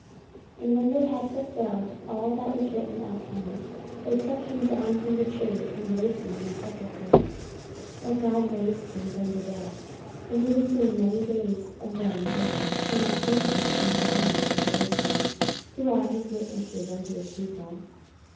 44:013:029 And when they had fulfilled all that was written of him, they took him down from the tree, and laid him in a sepulchre. 44:013:030 But God raised him from the dead: 44:013:031 And he was seen many days of them which came up with him from Galilee to Jerusalem, who are his witnesses unto the people.